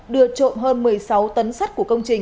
đưa trộm hơn một mươi sáu tấn sắt của công trình